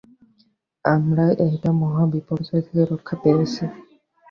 আমরা একটা মহাবিপর্যয় থেকে রক্ষা পেয়েছি।